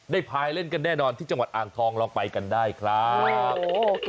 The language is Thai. พายเล่นกันแน่นอนที่จังหวัดอ่างทองลองไปกันได้ครับ